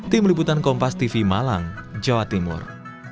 tim liputan kompas tv malang jawa timur